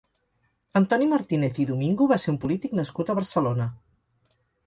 Antoni Martínez i Domingo va ser un polític nascut a Barcelona.